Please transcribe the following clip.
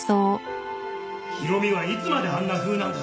弘美はいつまであんなふうなんだ？